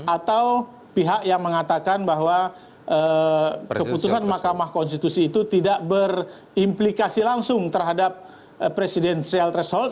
atau pihak yang mengatakan bahwa keputusan mahkamah konstitusi itu tidak berimplikasi langsung terhadap presidensial threshold